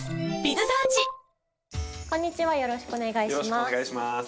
よろしくお願いします。